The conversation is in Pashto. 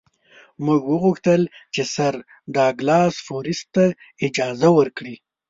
موږ وغوښتل چې سر ډاګلاس فورسیت ته اجازه ورکړي.